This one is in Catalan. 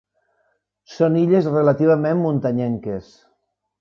Són illes relativament muntanyenques.